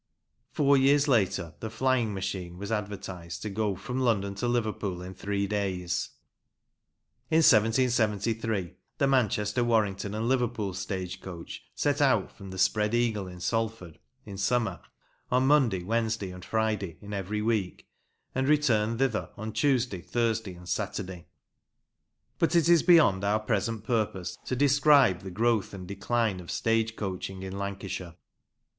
Four years later the " Flying Machine " was advertised to go from London to Liverpool in three days. In 1773 the Manchester, Warrington, and Liverpool stage coach set out from the " Spread Eagle" in Salford (in summer) on Monday, Wednesday, and Friday in every week, and returned thither on Tuesday, Thursday, and Saturday. But it is beyond our present purpose to describe the growth and decline of stage coaching in Lancashire.